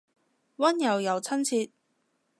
溫柔又親切